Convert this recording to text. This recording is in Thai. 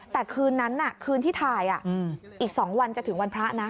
แต่คืนนั้นคืนที่ถ่ายอีก๒วันจะถึงวันพระนะ